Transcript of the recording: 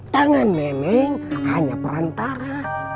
tangan memang hanya perantara